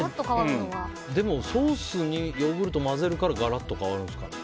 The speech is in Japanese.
でも、ソースにヨーグルトを混ぜるからガラッと変わるんですかね。